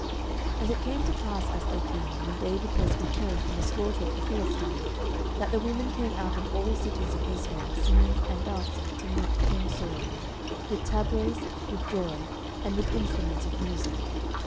09:018:006 And it came to pass as they came, when David was returned from the slaughter of the Philistine, that the women came out of all cities of Israel, singing and dancing, to meet king Saul, with tabrets, with joy, and with instruments of musick.